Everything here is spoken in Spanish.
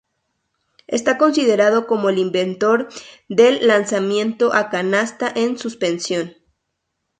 Está considerado como el inventor del lanzamiento a canasta en suspensión.